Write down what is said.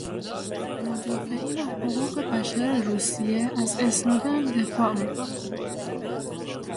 مدافعین حقوق بشر روسیه از اسنودن دفاع میکنند.